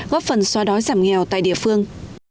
góp phần xóa đói giảm nghèo tại địa phương